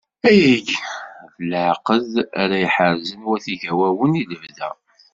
Ayagi d leɛqed ara ḥerzen wat Igawawen i lebda.